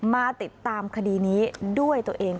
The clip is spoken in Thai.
มาติดตามคดีนี้ด้วยตัวเอง